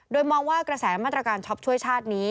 โดยมองว่ากระแสมาตรการช็อปช่วยชาตินี้